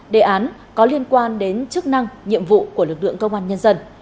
đề án có liên quan đến chức năng nhiệm vụ của lực lượng công an nhân dân